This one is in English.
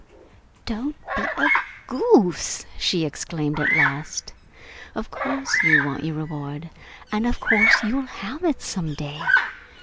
"Don't be a goose!" she exclaimed at last. "Of course you want your reward, and of course you'll have it, some day!